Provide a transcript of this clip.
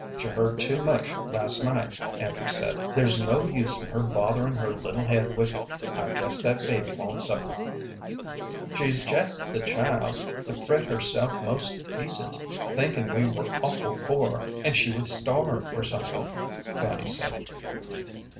"She heard too much last night," Andrew said; "there's no use in her botherin' her little head with it. I guess that baby won't suffer." "She's jest the child to fret herself most to pieces thinkin' we were awful poor, and she would starve or somethin'," Fanny said.